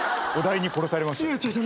お題に殺されました。